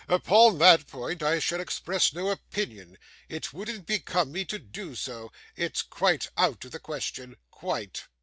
Upon that point I shall express no opinion, it wouldn't become me to do so, it's quite out of the question, quite.